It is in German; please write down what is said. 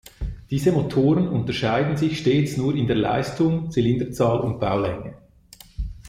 Diese Motoren unterscheiden sich stets nur in der Leistung, Zylinderzahl und Baulänge.